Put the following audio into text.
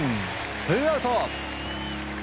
ツーアウト。